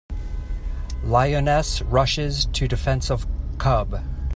Lioness Rushes to Defense of Cub.